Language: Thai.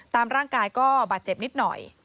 สุดท้ายก็บาดเจ็บนิดหน่อย